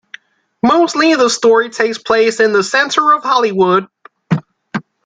Mostly the story takes place in the centre of Hollywood.